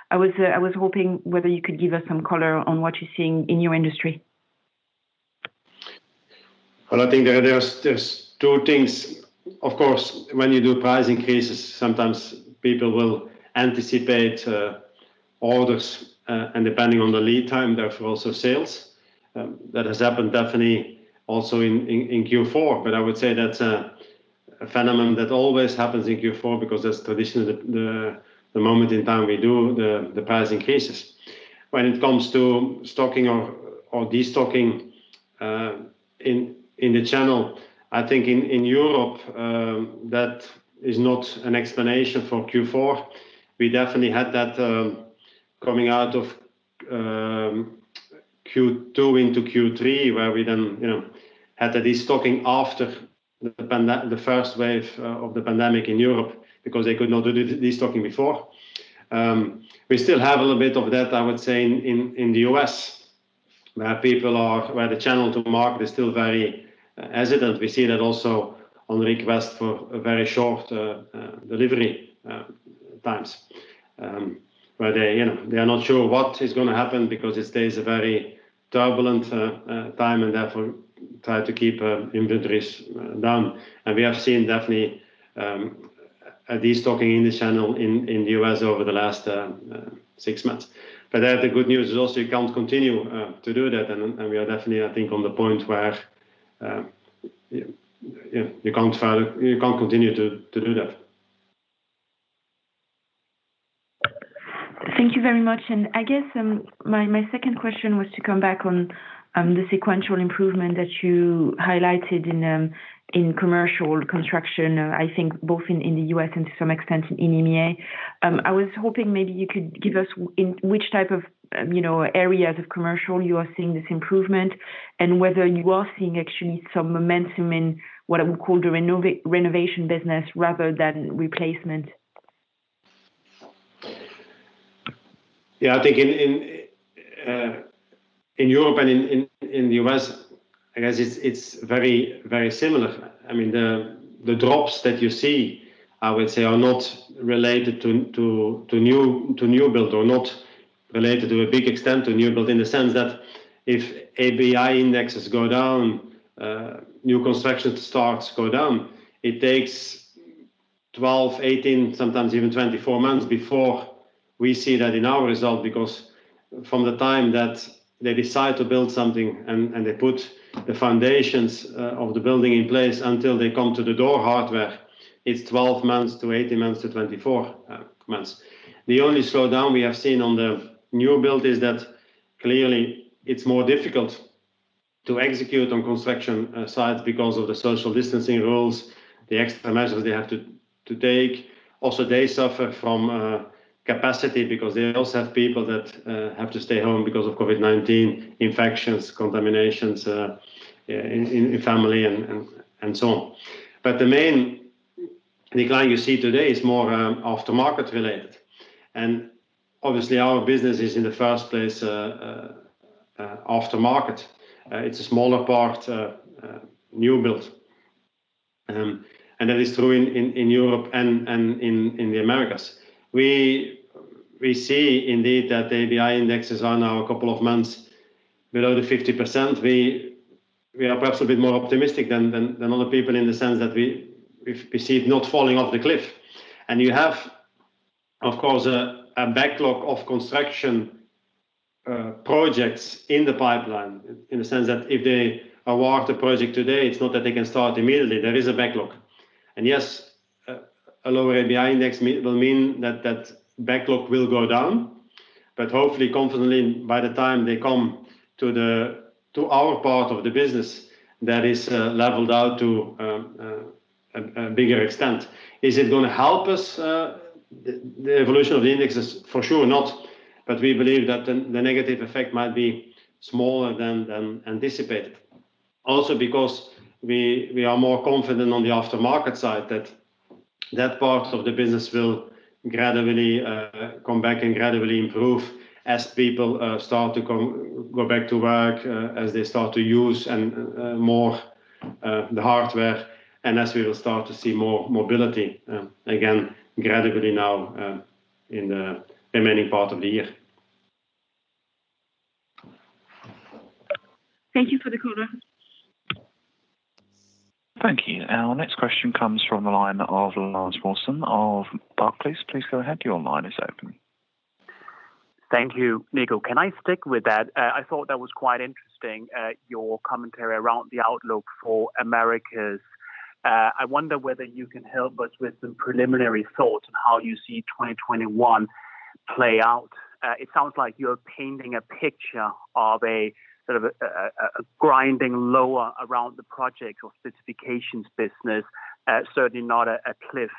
I was hoping whether you could give us some color on what you're seeing in your industry? Well, I think there's two things. Of course, when you do price increases, sometimes people will anticipate orders, and depending on the lead time, therefore also sales. That has happened definitely also in Q4, but I would say that's a phenomenon that always happens in Q4 because that's traditionally the moment in time we do the price increases. When it comes to stocking or de-stocking in the channel, I think in Europe, that is not an explanation for Q4. We definitely had that coming out of Q2 into Q3, where we then had the de-stocking after the first wave of the pandemic in Europe because they could not do de-stocking before. We still have a little bit of that, I would say, in the U.S., where the channel to market is still very hesitant. We see that also on request for very short delivery times, where they are not sure what is going to happen because it stays a very turbulent time and therefore try to keep inventories down. We have seen definitely a de-stocking in the channel in the U.S. over the last six months. There, the good news is also you can't continue to do that, and we are definitely, I think, on the point where you can't continue to do that. Thank you very much. I guess my second question was to come back on the sequential improvement that you highlighted in commercial construction, I think both in the U.S. and to some extent in EMEA. I was hoping maybe you could give us in which type of, you know, areas of commercial you are seeing this improvement, and whether you are seeing actually some momentum in what I would call the renovation business rather than replacement? Yeah, I think in Europe and in the U.S., I guess it's very similar. The drops that you see, I would say, are not related to new build or not related to a big extent to new build in the sense that if ABI indexes go down, new construction starts go down, it takes 12, 18, sometimes even 24 months before we see that in our result, because from the time that they decide to build something and they put the foundations of the building in place until they come to the door hardware, it's 12 months to 18 months to 24 months. The only slowdown we have seen on the new build is that clearly it's more difficult to execute on construction sites because of the social distancing rules, the extra measures they have to take. Also, they suffer from capacity because they also have people that have to stay home because of COVID-19 infections, contaminations in family, and so on. The main decline you see today is more aftermarket related, and obviously, our business is in the first place aftermarket. It's a smaller part new build, and that is true in Europe and in the Americas. We see indeed that the ABI indexes are now a couple of months below the 50%. We are perhaps a bit more optimistic than other people in the sense that we see it not falling off the cliff. You have, of course, a backlog of construction projects in the pipeline in the sense that if they award the project today, it's not that they can start immediately. There is a backlog. Yes, a lower ABI index will mean that backlog will go down, but hopefully, confidently, by the time they come to our part of the business, that is leveled out to a bigger extent. Is it going to help us? The evolution of the index is for sure not, but we believe that the negative effect might be smaller than anticipated. Because we are more confident on the aftermarket side that part of the business will gradually come back and gradually improve as people start to go back to work, as they start to use more the hardware, and as we will start to see more mobility again gradually now in the remaining part of the year. Thank you for the color. Thank you. Our next question comes from the line of Lars Brorson of Barclays. Please go ahead. Your line is open. Thank you. Nico, can I stick with that? I thought that was quite interesting, your commentary around the outlook for Americas. I wonder whether you can help us with some preliminary thoughts on how you see 2021 play out. It sounds like you're painting a picture of a sort of grinding lower around the project or specifications business, certainly not a cliff.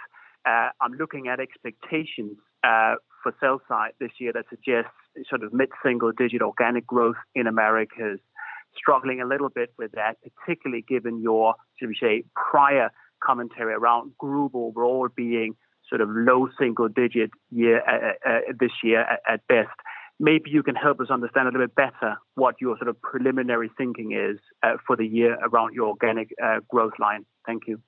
I'm looking at expectations for sell side this year that suggests sort of mid-single digit organic growth in Americas. Struggling a little bit with that, particularly given your, should we say, prior commentary around group overall being sort of low single digit this year at best. Maybe you can help us understand a little bit better what your preliminary thinking is for the year around your organic growth line. Thank you.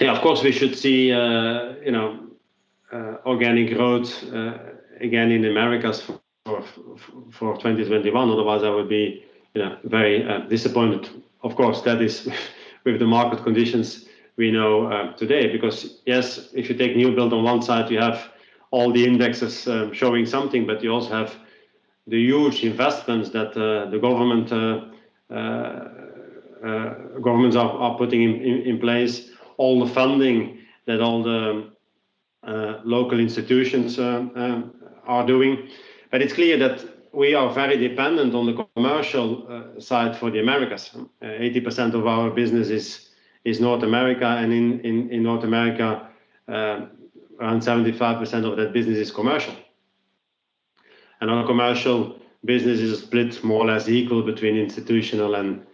Yeah, of course, we should see, you know, organic growth again in Americas for 2021. Otherwise, I would be very disappointed. Of course, that is with the market conditions we know today, because, yes, if you take new build on one side, you have all the indexes showing something, but you also have the huge investments that the governments are putting in place, all the funding that all the local institutions are doing. It's clear that we are very dependent on the commercial side for the Americas. 80% of our business is North America, and in North America, around 75% of that business is commercial. Our commercial business is split more or less equal between institutional and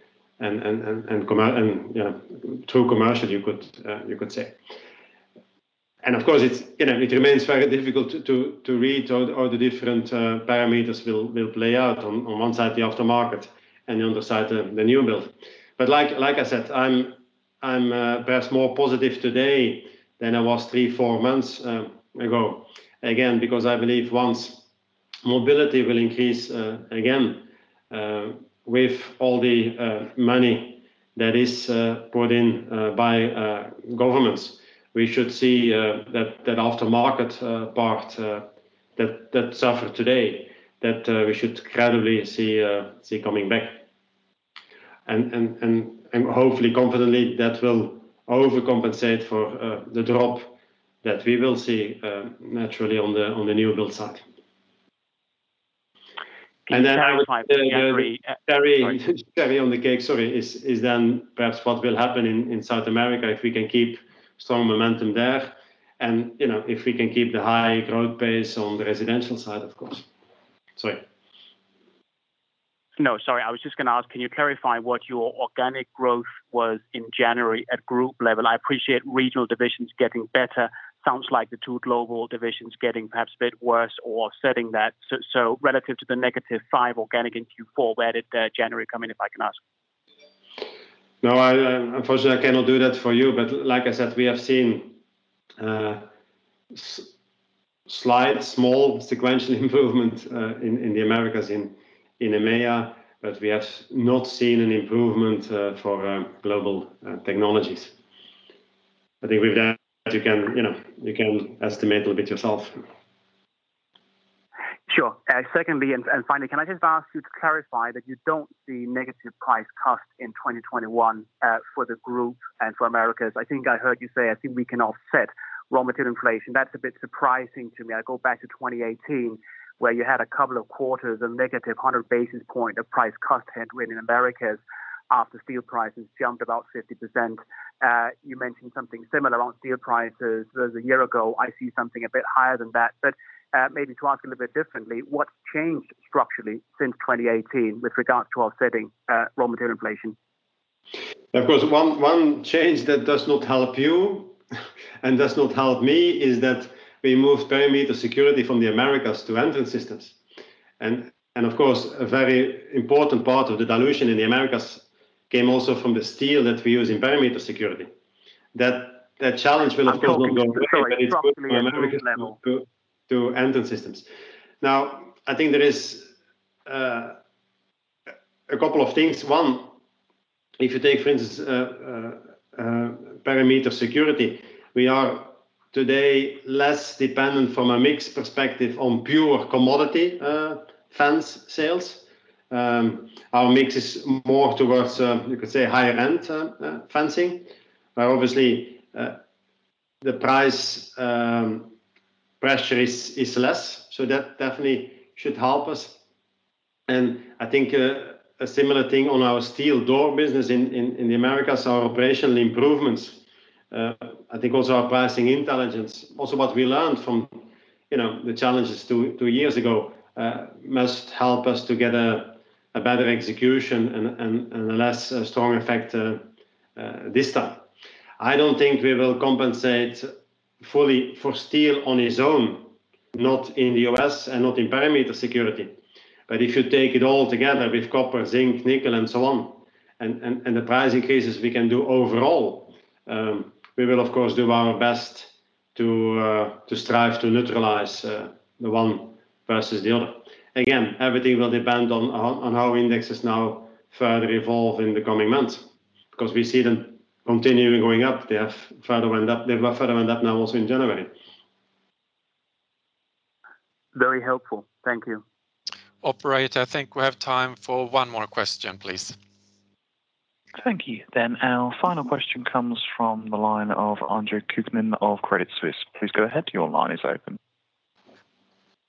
true commercial, you could say. Of course, it remains very difficult to read how the different parameters will play out on one side, the aftermarket, and the other side, the new build. Like I said, I'm perhaps more positive today than I was three, four months ago. Again, because I believe once mobility will increase again with all the money that is put in by governments, we should see that aftermarket part that suffered today, that we should gradually see coming back. Hopefully, confidently, that will overcompensate for the drop that we will see naturally on the new build side. And then cherry on the cake, sorry, is then perhaps what will happen in South America, if we can keep strong momentum there and you know, if we can keep the high growth pace on the residential side, of course. Sorry. No, sorry, I was just going to ask, can you clarify what your organic growth was in January at group level? I appreciate regional divisions getting better. Sounds like the two global divisions getting perhaps a bit worse or offsetting that. Relative to the negative five organic in Q4, where did January come in, if I can ask? Unfortunately, I cannot do that for you. Like I said, we have seen slight, small sequential improvement in the Americas, in EMEA, but we have not seen an improvement for Global Technologies. I think with that, you can estimate a little bit yourself. Sure. Secondly, and finally, can I just ask you to clarify that you don't see negative price cost in 2021 for the group and for Americas? I think I heard you say, "I think we can offset raw material inflation." That's a bit surprising to me. I go back to 2018 where you had a couple of quarters of negative 100 basis points of price cost headwind in Americas after steel prices jumped about 50%. You mentioned something similar on steel prices versus a year ago. I see something a bit higher than that, but maybe to ask a little bit differently, what's changed structurally since 2018 with regard to offsetting raw material inflation? Of course, one change that does not help you and does not help me is that we moved Perimeter Security from the Americas to Entrance Systems. Of course, a very important part of the dilution in the Americas came also from the steel that we use in Perimeter Security. That challenge will, of course, not go away. I'm helping you, sorry. It's moved from Americas now to Entrance Systems. Now, I think there is a couple of things. One, if you take for instance, Perimeter Security, we are today less dependent from a mix perspective on pure commodity fence sales. Our mix is more towards, you could say, higher-end fencing, where obviously the price pressure is less. That definitely should help us. I think a similar thing on our steel door business in the Americas, our operational improvements, I think also our pricing intelligence, also what we learned from, you know, the challenges two years ago, must help us to get a better execution and a less strong effect this time. I don't think we will compensate fully for steel on its own, not in the U.S. and not in Perimeter Security. If you take it all together with copper, zinc, nickel, and so on, and the price increases we can do overall, we will of course do our best to strive to neutralize the one versus the other. Again, everything will depend on how indexes now further evolve in the coming months. Because we see them continually going up. They have further went up now also in January. Very helpful. Thank you. Operator, I think we have time for one more question, please. Thank you. Then, our final question comes from the line of Andre Kukhnin of Credit Suisse. Please go ahead. Your line is open.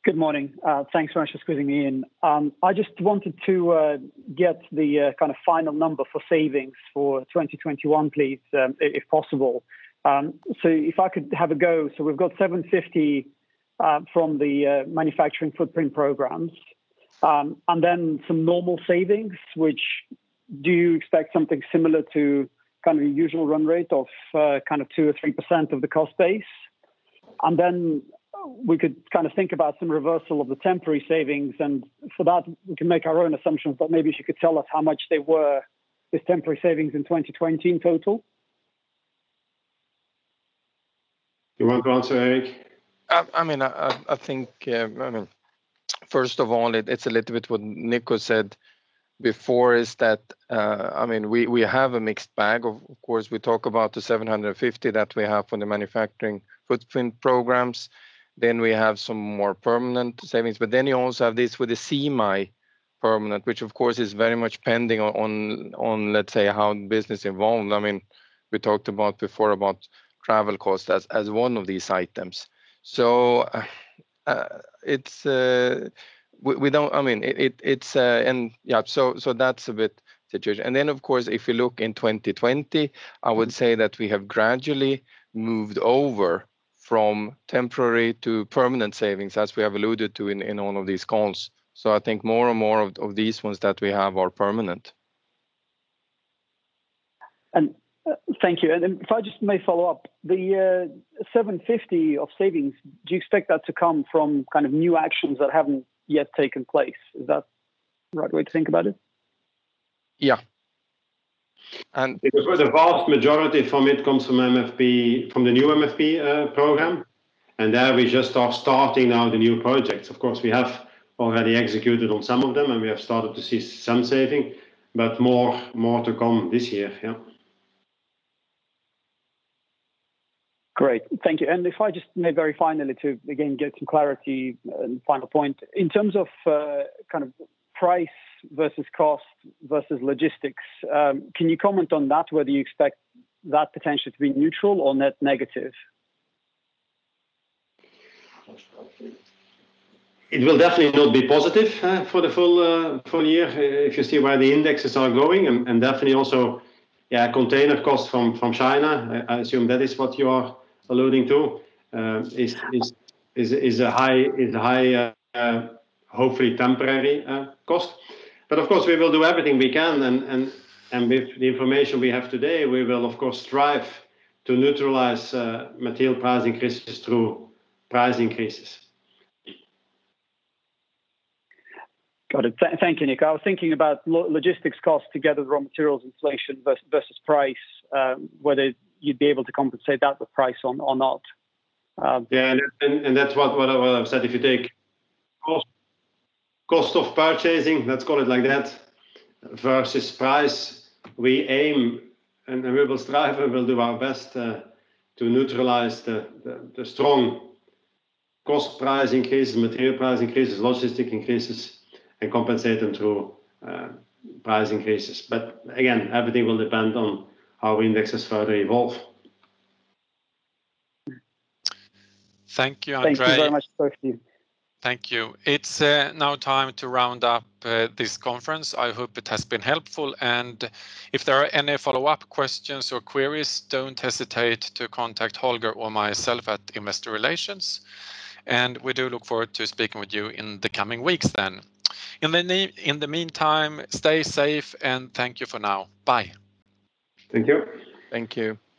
Good morning. Thanks very much for squeezing me in. I just wanted to get the final number for savings for 2021, please, if possible. If I could have a go. We've got 750 from the Manufacturing Footprint Programs, and then some normal savings, which do you expect something similar to kind of usual run rate of 2% or 3% of the cost base? Then, we could kind of think about some reversal of the temporary savings, and for that, we can make our own assumptions, but maybe if you could tell us how much they were, these temporary savings in 2020 in total? Do you want to answer, Erik? I think, first of all, it's a little bit what Nico said before, is that I mean we have a mixed bag. Of course, we talk about the 750 that we have from the Manufacturing Footprint Programs. Then, we have some more permanent savings. Then, you also have this with the semi-permanent, which of course is very much pending on, let's say, how business evolve. I mean, we talked about before about travel costs as one of these items. Of course, if you look in 2020, I would say that we have gradually moved over from temporary to permanent savings, as we have alluded to in all of these calls. I think more and more of these ones that we have are permanent. Thank you. If I just may follow up, the 750 of savings, do you expect that to come from kind of new actions that haven't yet taken place? Is that the right way to think about it? Yeah. The vast majority from it comes from the new MFP program. There we just are starting now the new projects. Of course, we have already executed on some of them, and we have started to see some saving, but more to come this year. Yeah. Great. Thank you. If I just may very finally to, again, get some clarity and final point. In terms of price versus cost versus logistics, can you comment on that, whether you expect that potential to be neutral or net negative? It will definitely not be positive for the full year if you see where the indexes are going, and definitely also container costs from China, I assume that is what you are alluding to, is a high, hopefully temporary, cost. Of course, we will do everything we can, and with the information we have today, we will of course strive to neutralize material price increases through price increases. Got it. Thank you, Nico. I was thinking about logistics costs together with raw materials inflation versus price, whether you'd be able to compensate that with price or not. That's what I've said. If you take cost of purchasing, let's call it like that, versus price, we aim and we will strive and we'll do our best to neutralize the strong cost price increases, material price increases, logistic increases, and compensate them through price increases. Again, everything will depend on how indexes further evolve. Thank you, Andre. Thank you very much. Talk to you. Thank you. It's now time to round up this conference. I hope it has been helpful, and if there are any follow-up questions or queries, don't hesitate to contact Holger or myself at Investor Relations. We do look forward to speaking with you in the coming weeks then. In the meantime, stay safe, and thank you for now. Bye. Thank you. Thank you.